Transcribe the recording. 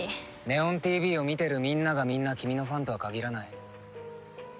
「祢音ＴＶ」を見てるみんながみんな君のファンとは限らない。